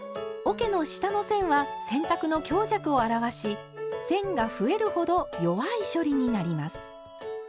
おけの下の線は洗濯の強弱を表し線が増えるほど弱い処理になります。